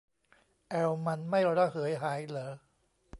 แอลมันไม่ระเหยหายเหรอ